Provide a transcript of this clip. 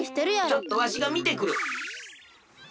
ちょっとわしがみてくる。